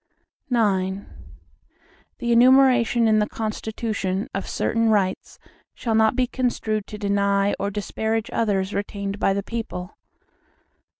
IX The enumeration in the Constitution, of certain rights, shall not be construed to deny or disparage others retained by the people.